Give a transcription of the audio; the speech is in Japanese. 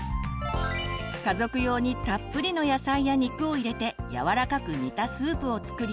家族用にたっぷりの野菜や肉を入れてやわらかく煮たスープを作り